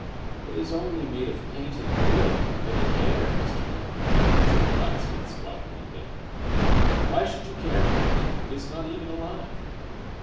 "It is only made of painted wood and a little hair, Master Willie," said the blacksmith's wife one day. "Why should you care for it; it is not even alive."